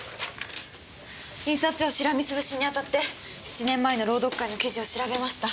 印刷所をしらみつぶしにあたって７年前の朗読会の記事を調べました。